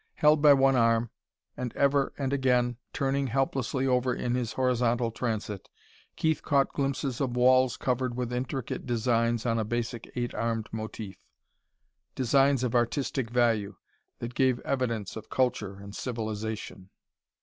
Held by one arm, and ever and again turning helplessly over in his horizontal transit, Keith caught glimpses of walls covered with intricate designs on a basic eight armed motif designs of artistic value, that gave evidence of culture and civilization.